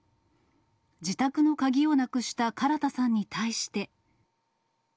自宅の鍵をなくした唐田さんに対して。